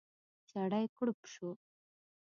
سړی کړپ شو.